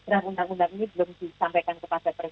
ruu ini belum disampaikan kepada